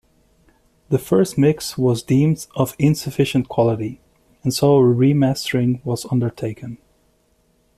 The first mix was deemed of insufficient quality, so a remastering was undertaken.